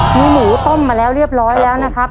มีหมูต้มมาแล้วเรียบร้อยแล้วนะครับ